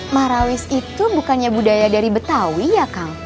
marawis itu bukannya budaya dari betawi ya kang